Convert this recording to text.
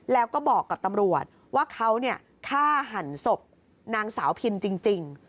แล้วก็บอกกับตำรวจว่าเขาฆ่าหันศพนางสาวพินจริง